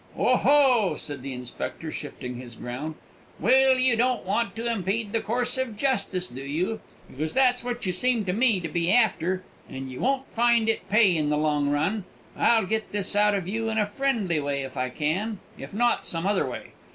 "Oho!" said the inspector, shifting his ground. "Well, you don't want to impede the course of justice, do you? because that's what you seem to me to be after, and you won't find it pay in the long run. I'll get this out of you in a friendly way if I can; if not, some other way.